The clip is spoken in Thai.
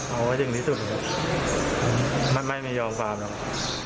เอาให้ถึงที่สุดครับมันไม่ไม่ยอมความหรอก